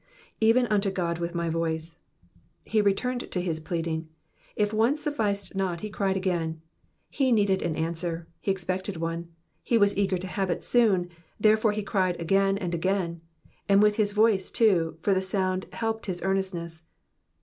*^Bven unto Chd with my voice.''^ He returned to his pleading. If once sufficed not, he cried again. He needed an answer, he expected one, he was eager to have it soon, therefore he cried again and again, and with his voice too, for the sound helped his earnestness.